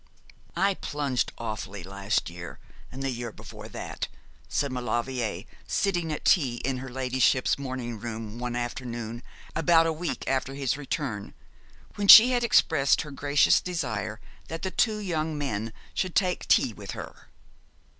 'I plunged awfully last year, and the year before that,' said Maulevrier, sitting at tea in her ladyship's morning room one afternoon about a week after his return, when she had expressed her gracious desire that the two young men should take tea with her.